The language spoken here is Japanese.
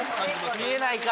見えないか。